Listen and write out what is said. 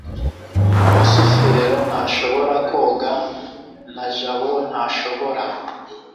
rusufero ntashobora koga na jabo ntashobora